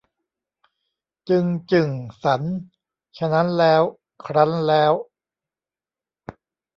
จึง จึ่ง สัน ฉะนั้นแล้ว ครั้นแล้ว